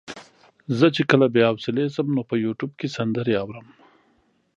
زه چې کله بې حوصلې شم نو په يوټيوب کې سندرې اورم.